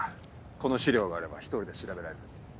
この資料があれば１人で調べられる。